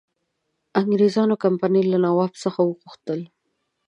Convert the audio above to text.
انګرېزانو کمپنی له نواب څخه وغوښتل.